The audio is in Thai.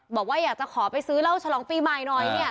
บอกว่าอยากจะขอไปซื้อเหล้าฉลองปีใหม่หน่อยเนี่ย